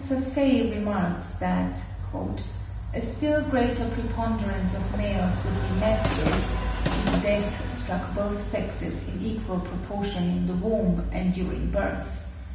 Prof. Faye remarks that "a still greater preponderance of males would be met with, if death struck both sexes in equal proportion in the womb and during birth.